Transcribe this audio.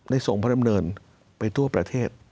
ทรงพระดำเนินไปทั่วประเทศ